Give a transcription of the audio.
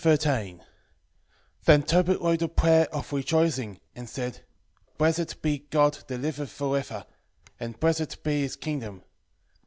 13:1 Then Tobit wrote a prayer of rejoicing, and said, Blessed be God that liveth for ever, and blessed be his kingdom.